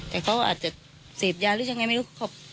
แต่เขาอาจจะเสพยาหรือยังไงไม่รู้